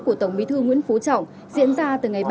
của tổng bí thư nguyễn phú trọng diễn ra